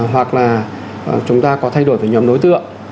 hoặc là chúng ta có thay đổi với nhóm đối tượng